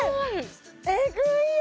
エグいよ